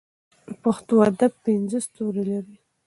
د پښتو ادب پنځه ستوري لري.